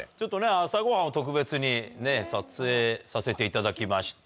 朝ご飯を特別に撮影させていただきましたが。